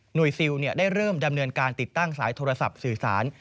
ซิลได้เริ่มดำเนินการติดตั้งสายโทรศัพท์สื่อสาร